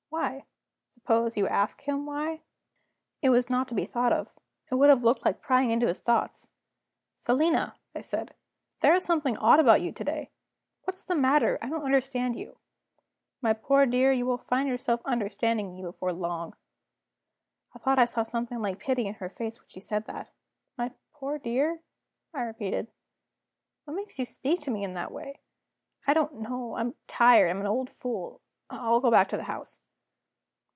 "Why?" "Suppose you ask him why?" It was not to be thought of; it would have looked like prying into his thoughts. "Selina!" I said, "there is something odd about you to day. What is the matter? I don't understand you." "My poor dear, you will find yourself understanding me before long." I thought I saw something like pity in her face when she said that. "My poor dear?" I repeated. "What makes you speak to me in that way?" "I don't know I'm tired; I'm an old fool I'll go back to the house."